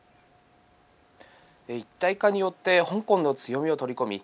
一体化によって香港の強みを取り込み